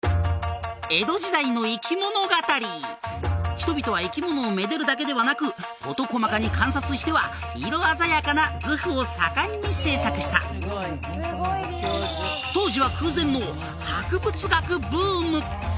人々は生き物をめでるだけではなく事細かに観察しては色鮮やかな図譜を盛んに制作した当時は空前の博物学ブーム